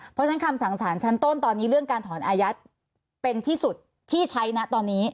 เพราะฉะนั้นคำสั่งสารชั้นต้นตอนนี้เรื่องการถอนอายัดเป็นที่สุดที่ใช้นะตอนนี้